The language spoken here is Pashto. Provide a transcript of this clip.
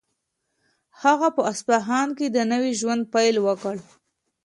هغه په اصفهان کې د نوي ژوند پیل وکړ.